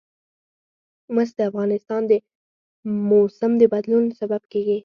مس د افغانستان د موسم د بدلون سبب کېږي.